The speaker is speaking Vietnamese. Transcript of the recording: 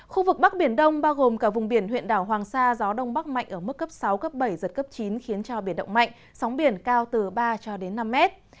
khu vực bắc biển đông bao gồm cả vùng biển huyện đảo hoàng sa gió đông bắc mạnh ở mức cấp sáu cấp bảy giật cấp chín khiến cho biển động mạnh sóng biển cao từ ba cho đến năm mét